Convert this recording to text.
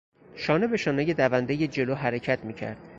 شانه به شانهی دوندهی جلو حرکت میکرد.